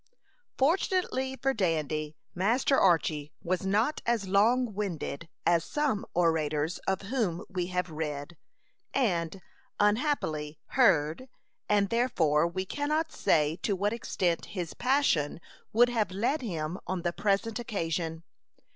Fortunately for Dandy, Master Archy was not as "long winded" as some orators of whom we have read, and, unhappily, heard; and therefore we cannot say to what extent his passion would have led him on the present occasion.